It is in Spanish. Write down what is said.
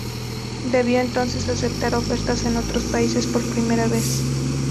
Debió entonces aceptar ofertas en otros países por primera vez.